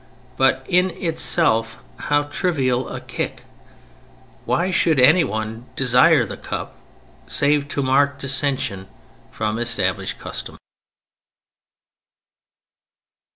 But in itself how trivial a "kick." Why should anyone desire the cup save to mark dissension from established custom!